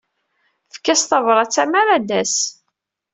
Efk-as tabṛat-a mi ara d-tas.